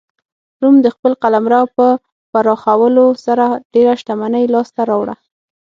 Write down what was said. روم د خپل قلمرو په پراخولو سره ډېره شتمنۍ لاسته راوړه.